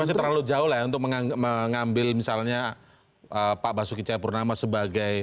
jadi masih terlalu jauh lah ya untuk mengambil misalnya pak basuki cahayapurnama sebagai